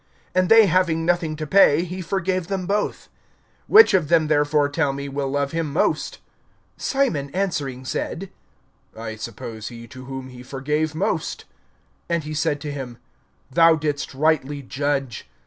(42)And they having nothing to pay, he forgave them both. Which of them therefore, tell me, will love him most? (43)Simon answering said: I suppose he to whom he forgave most. And he said to him: Thou didst rightly judge.